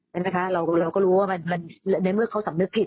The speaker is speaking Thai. เห็นไหมคะเราก็เราก็รู้ว่ามันมันในเมื่อเขาสำนึกผิด